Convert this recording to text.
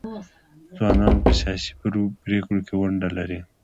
ځوانان په سیاسي پریکړو کې ونډه لري.